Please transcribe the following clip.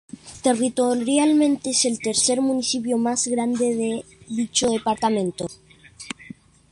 Territorialmente es el tercer municipio más grande de dicho departamento.